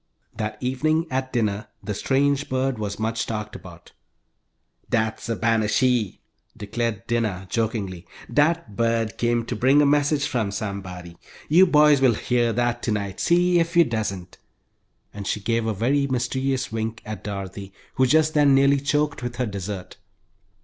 That evening, at dinner, the strange bird was much talked about. "Dat's a ban shee!" declared Dinah, jokingly. "Dat bird came to bring a message from somebody. You boys will hear dat tonight, see if you doesn't," and she gave a very mysterious wink at Dorothy, who just then nearly choked with her dessert.